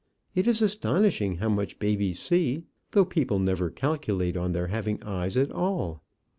It is astonishing how much babies see, though people never calculate on their having eyes at all.